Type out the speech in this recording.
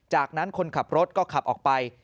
จากนั้นคนขับรถก็ขับออกไป